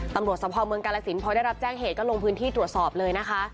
ตำรวจสภาพเมืองกาลสินพอได้รับแจ้งเหตุก็ลงพื้นที่ตรวจสอบเลยนะคะ